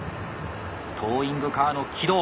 トーイングカーの軌道